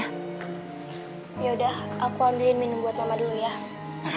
yaudah aku ambilin minum buat mama dulu ya